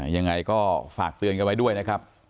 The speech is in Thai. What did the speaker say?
ยังไงก็ฝากเตือนกันไว้ด้วยนะครับ